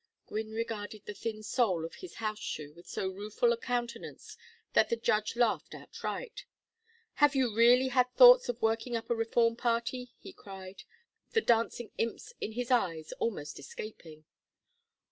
Gwynne regarded the thin sole of his house shoe with so rueful a countenance that the judge laughed outright. "Have you really had thoughts of working up a reform party?" he cried, the dancing imps in his eyes almost escaping.